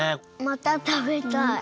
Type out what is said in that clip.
またたべたい。